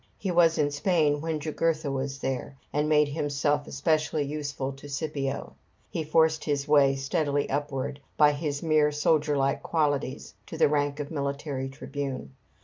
He was in Spain when Jugurtha was there, and made himself especially useful to Scipio; he forced his way steadily upward, by his mere soldierlike qualities, to the rank of military tribune.